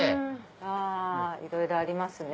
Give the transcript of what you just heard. あいろいろありますね。